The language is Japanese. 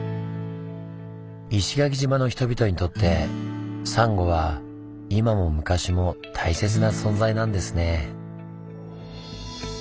石垣島の人々にとってサンゴは今も昔も大切な存在なんですね。